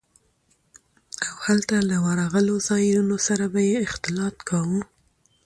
او هلته له ورغلو زايرينو سره به يې اختلاط کاوه.